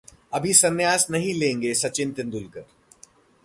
अभी संन्यास नहीं लेंगे सचिन तेंदुलकर